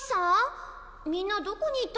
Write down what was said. みんなどこに行ったのかしら。